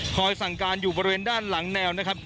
สั่งการอยู่บริเวณด้านหลังแนวนะครับ